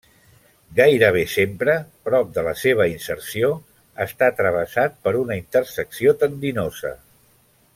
Gairebé sempre, prop de la seva inserció, està travessat per una intersecció tendinosa.